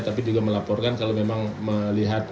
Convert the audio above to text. tapi juga melaporkan kalau memang melihat